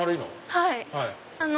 はい。